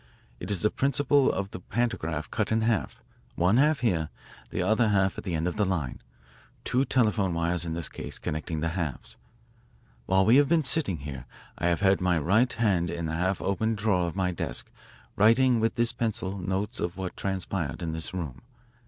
It is the principle of the pantograph cut in half, one half here, the other half at the end of the line, two telephone wires in this case connecting the halves. "While we have been sitting here I have had my right hand in the half open drawer of my desk writing with this pencil notes of what has transpired in this room.